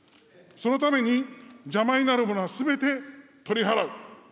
そのために、邪魔になるものはすべて取り払う。